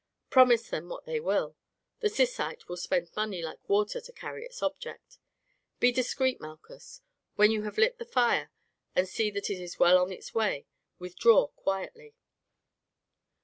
Promise them what they will; the Syssite will spend money like water to carry its object. Be discreet, Malchus; when you have lit the fire, and see that it is well on its way, withdraw quietly."